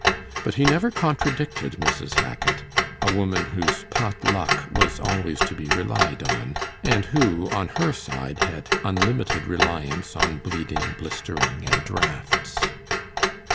But he never contradicted Mrs. Hackit a woman whose 'pot luck' was always to be relied on, and who on her side had unlimited reliance on bleeding, blistering, and draughts.